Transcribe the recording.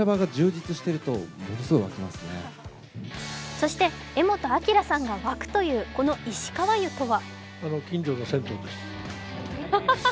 そして、柄本明さんが沸くという、この石川湯とは？